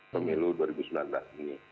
pemilu dua ribu sembilan belas ini